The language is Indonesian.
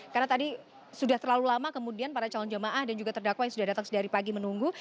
karena tadi sudah terlalu lama kemudian para calon jemaah dan juga terdakwa yang sudah datang dari pagi menunggu